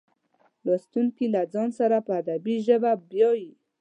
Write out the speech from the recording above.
لوستونکي له ځان سره په ادبي ژبه بیایي.